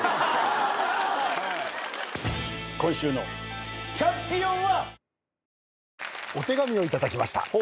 今週のチャンピオンは。